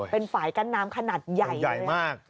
เป็นฝ่ายกั้นน้ำขนาดใหญ่ขนาดใหญ่มาก